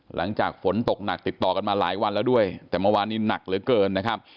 หลังจากฝนตกหนักติดต่อกันมาหลายวันแล้วด้วยแต่เมื่อวานนี้หนักเหลือเกินนะครับ